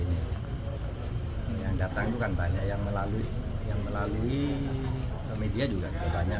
yang datang itu kan banyak yang melalui media juga banyak